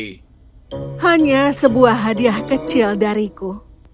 ini hanya sebuah hadiah kecil dariku